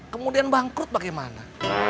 kemudian bangkrut bagaimana